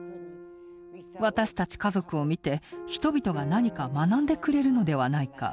私たち家族を見て人々が何か学んでくれるのではないか。